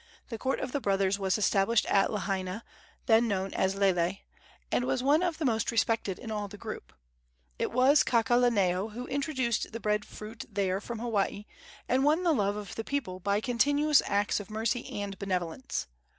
The court of the brothers was established at Lahaina then known as Lele and was one of the most respected in all the group. It was Kakaalaneo who introduced the bread fruit there from Hawaii, and won the love of the people by continuous acts of mercy and benevolence.